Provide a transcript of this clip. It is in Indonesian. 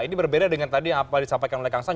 ini berbeda dengan tadi apa disampaikan oleh kang san